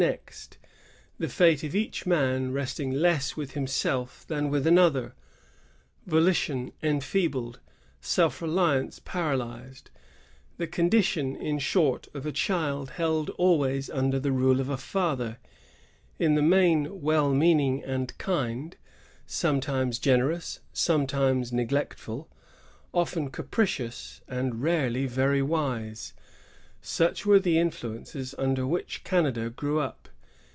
next, the fate of each man resting less with himself than with another, volition enfeebled, self reliance paralyzed, — the condition, in short, of a child held always under the rule of a father, in the main well meaning and kind, sometimes generous, sometimes neglectful, often capricious, and rarely very wise, — such were the influences under which Canada grew up.